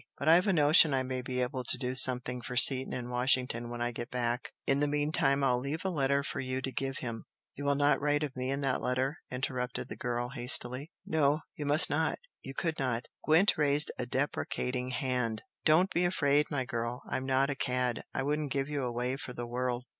But I've a notion I may be able to do something for Seaton in Washington when I get back in the meantime I'll leave a letter for you to give him " "You will not write of me in that letter!" interrupted the girl, hastily. "No you must not you could not! " Gwent raised a deprecating hand. "Don't be afraid, my girl! I'm not a cad. I wouldn't give you away for the world!